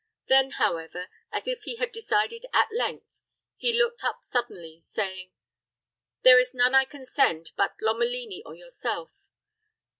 Then, however, as if he had decided at length, he looked up suddenly, saying, "There is none I can send but Lomelini or yourself.